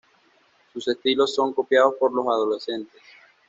Sus estilos son copiados por las adolescentes.